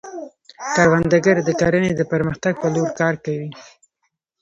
کروندګر د کرنې د پرمختګ په لور کار کوي